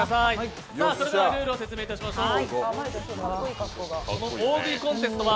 ルールを説明いたしましょう。